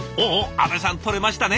阿部さん撮れましたね。